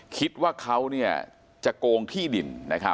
คิดว่าเขาจะโกงที่ดิน